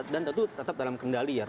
dan tentu tetap dalam kendali